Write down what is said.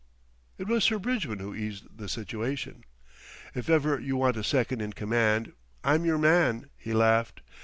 It was Sir Bridgman who eased the situation. "If ever you want a second in command, I'm your man," he laughed.